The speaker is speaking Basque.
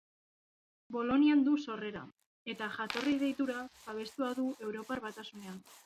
Bolonian du sorrera eta jatorri-deitura babestua du Europar Batasunean.